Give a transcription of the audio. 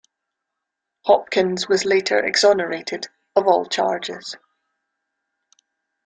Hopkins was later exonerated of all charges.